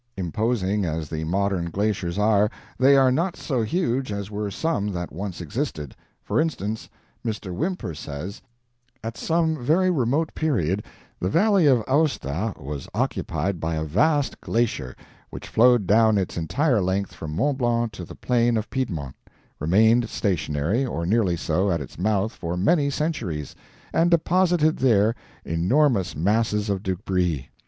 Imposing as the modern glaciers are, they are not so huge as were some that once existed. For instance, Mr. Whymper says: "At some very remote period the Valley of Aosta was occupied by a vast glacier, which flowed down its entire length from Mont Blanc to the plain of Piedmont, remained stationary, or nearly so, at its mouth for many centuries, and deposited there enormous masses of debris.